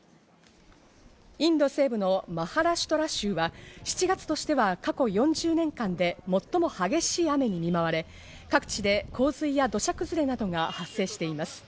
インド西部のマハラシュトラ州は７月としては過去４０年間で最も激しい雨に見舞われ、各地で洪水や土砂崩れなどが発生しています。